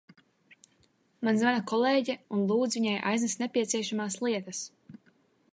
Man zvana kolēģe un lūdz viņai aiznest nepieciešamās lietas.